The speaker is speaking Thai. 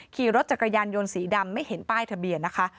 ขี่รถจักรยานยนต์สีดำไม่เห็นป้ายทะเบียนนะคะ